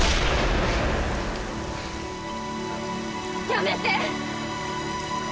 やめて！